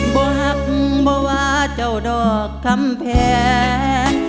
บอกว่าเจ้าดอกคำแพง